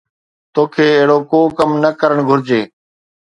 توکي اهڙو ڪو ڪم نه ڪرڻ گهرجي